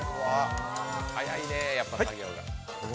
速いね、やっぱり作業が。